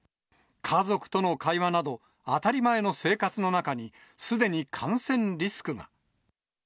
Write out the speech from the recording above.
家族との会話など、当たり前の生活の中に、すでに感染リスクが。